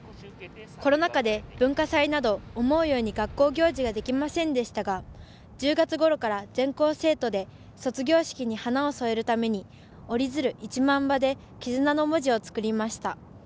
コロナ禍で、文化祭など思うように学校行事ができませんでしたが１０月頃から全校生徒で卒業式に華を添えるために折り鶴１万羽で絆の文字を作りました。